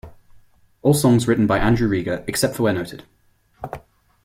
All songs written by Andrew Rieger, except for where noted.